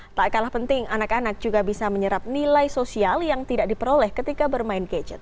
tak kalah penting anak anak juga bisa menyerap nilai sosial yang tidak diperoleh ketika bermain gadget